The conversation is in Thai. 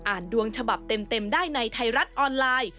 ดวงฉบับเต็มได้ในไทยรัฐออนไลน์